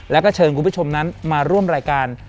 แล้วก็เชิญคุณผู้ชมนั้นมาร่วมรายการ